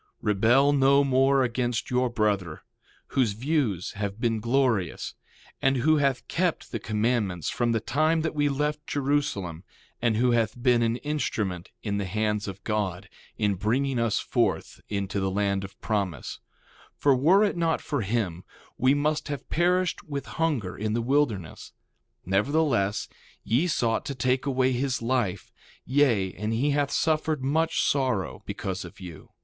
1:24 Rebel no more against your brother, whose views have been glorious, and who hath kept the commandments from the time that we left Jerusalem; and who hath been an instrument in the hands of God, in bringing us forth into the land of promise; for were it not for him, we must have perished with hunger in the wilderness; nevertheless, ye sought to take away his life; yea, and he hath suffered much sorrow because of you.